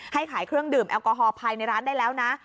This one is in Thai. ให้ขายเครื่องดื่มแอลกอฮอลภายในร้านได้แล้วนะ